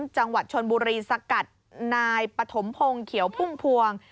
จังหวัดชนบุรีสกัดนายปฐมพงศ์เขียวพุ่มพวง